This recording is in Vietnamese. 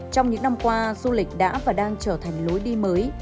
trong những năm qua du lịch đã và đang trở thành lối đi mới